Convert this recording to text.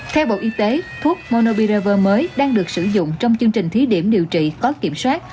theo bộ y tế thuốc monobiraver mới đang được sử dụng trong chương trình thí điểm điều trị có kiểm soát